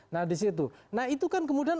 nah disitu nah itu kan kemudian